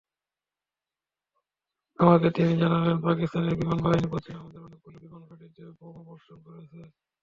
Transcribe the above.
আমাকে তিনি জানালেন, পাকিস্তান বিমান বাহিনী পশ্চিমে আমাদের অনেকগুলো বিমানঘাঁটিতে বোমাবর্ষণ করেছে।